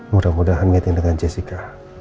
mudah mudahan dengan jessica